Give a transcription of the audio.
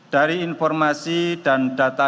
dari informasi dan data